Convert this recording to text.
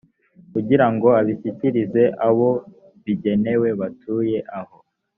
kugira ngo abishyikirize abo bigenewe batuye aho